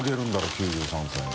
９３歳に。